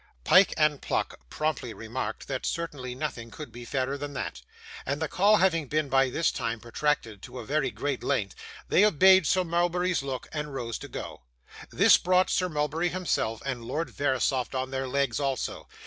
Pyke and Pluck promptly remarked that certainly nothing could be fairer than that; and the call having been by this time protracted to a very great length, they obeyed Sir Mulberry's look, and rose to go. This brought Sir Mulberry himself and Lord Verisopht on their legs also.